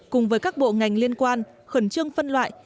cùng với các bộ ngành liên quan khẩn trương phân loại